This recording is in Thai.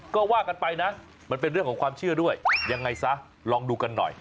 ก็ว่ากันไปนะมันเป็นเรื่องของความเชื่อด้วยยังไงซะลองดูกันหน่อย